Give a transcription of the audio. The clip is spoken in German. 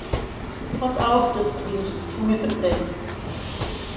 Pass auf, dass du dir nicht die Zunge verbrennst!